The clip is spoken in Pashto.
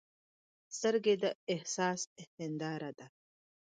سترګې د احساس هنداره ده